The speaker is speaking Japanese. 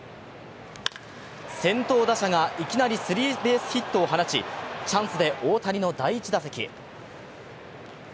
先頭打者が、いきなりスリーベースヒットを放ちチャンスで大谷の第１打席。